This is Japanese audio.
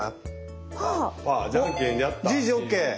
おっじいじＯＫ！